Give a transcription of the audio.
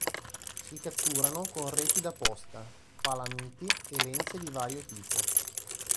Si catturano con reti da posta, palamiti e lenze di vario tipo.